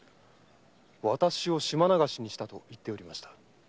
「私を島流しにした」と言っていました。